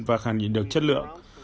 và khẳng định được chất lượng